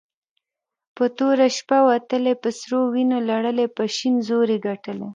په توره شپه وتلې په سرو وينو لړلې په شين زور يي ګټلې